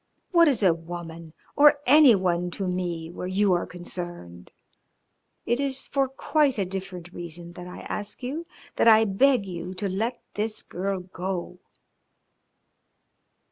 What is a woman or any one to me where you are concerned? It is for quite a different reason that I ask you, that I beg you to let this girl go."